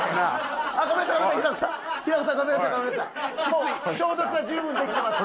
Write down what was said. もう消毒は十分できてます。